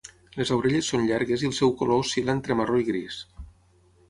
Les orelles són llargues i el seu color oscil·la entre marró i gris.